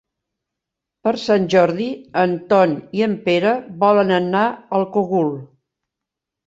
Per Sant Jordi en Ton i en Pere volen anar al Cogul.